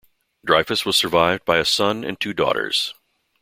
Dreyfuss was survived by a son and two daughters.